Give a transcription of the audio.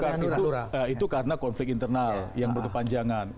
bukan itu karena konflik internal yang berkepanjangan